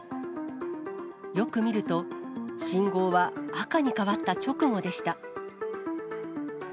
よく見ると、信号は赤に変わった直後でした。